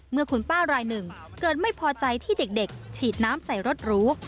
เมื่อคุณป้ารายหนึ่งเกิดไม่พอใจที่เด็กฉีดน้ำใส่รถหรู